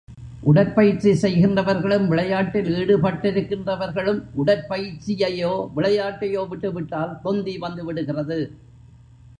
உடற்பயிற்சி செய்கின்றவர்களும் விளையாட்டில் ஈடுபட்டிருக்கின்றவர்களும் உடற் பயிற்சியையோ விளையாட்டையோ விட்டு விட்டால், தொந்தி வந்துவிடுகிறது.